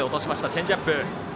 チェンジアップ。